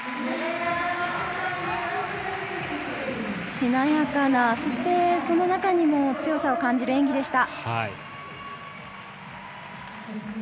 しなやかな、その中にも強さを感じる演技でした。